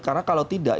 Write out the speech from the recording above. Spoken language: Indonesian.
karena kalau tidak